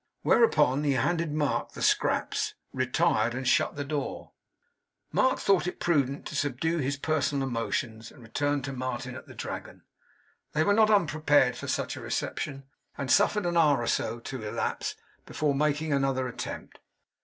Whereupon he handed Mark the scraps; retired, and shut the door. Mark thought it prudent to subdue his personal emotions, and return to Martin at the Dragon. They were not unprepared for such a reception, and suffered an hour or so to elapse before making another attempt.